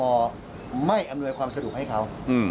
พอไม่อำนวยความสะดวกให้เขา